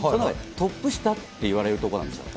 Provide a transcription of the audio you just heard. トップ下っていわれるところなんですよ。